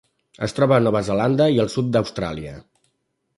Es troba a Nova Zelanda i al sud d'Austràlia.